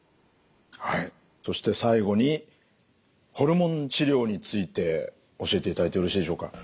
はいそして最後にホルモン治療について教えていただいてよろしいでしょうか。